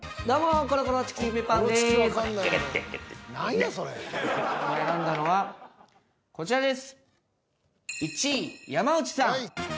僕が選んだのはこちらです。